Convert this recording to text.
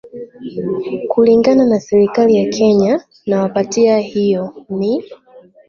kulingana na serikali ya kenya nawapatia hiyo nii